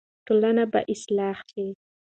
ټولنه به اصلاح شي.